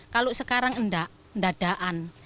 kalau sekarang enggak enggak adaan